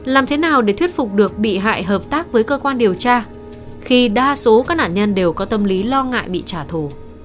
làm thế nào để thuyết phục được bị hại hợp tác với cơ quan điều tra khi đa số các nạn nhân đều có tâm lý lo ngại bị trả thù